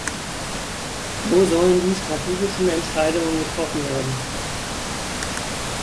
Wo sollen die strategischen Entscheidungen getroffen werden?